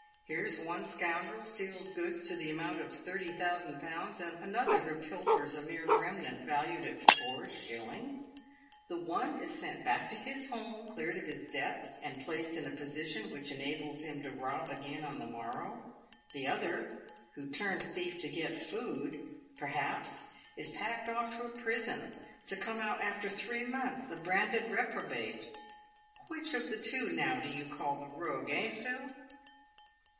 Here is one scoundrel steals goods to the amount of 30,000/., and another who pilfers a mere remnant valued at four shillings. The one 360 PAVED WITJJ GOLD. is sent back to his home cleared of his debt, and placed in a position which enables him to rob again on the morrow. The other, who turned thief to get food, perhaps, is packed off to a prison to come out, after three months, a branded reprobate. Which of the two, now, do you call the rogue, eh, Phil